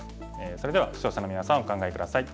それでは視聴者のみなさんお考え下さい。